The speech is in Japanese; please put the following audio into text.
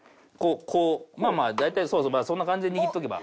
こうまあまあ大体そうそうそんな感じで握っとけば。